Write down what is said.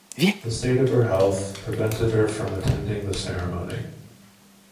The state of her health prevented her from attending the ceremony.